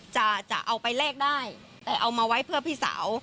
จะเอาจะเอาไปแลกได้แต่เอามาไว้เพื่อพี่สาว